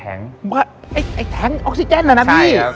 แท้งออกซิเจนเหรอนะที่